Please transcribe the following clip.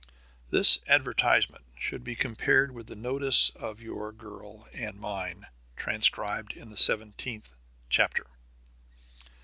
This advertisement should be compared with the notice of Your Girl and Mine transcribed in the seventeenth chapter.